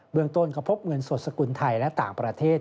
เมืองต้นก็พบเงินสดสกุลไทยและต่างประเทศ